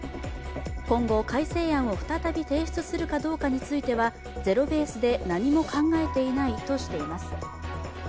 今後、改正案を再び提出するかどうかについてはゼロベースで何も考えていないとしています。